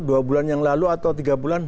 dua bulan yang lalu atau tiga bulan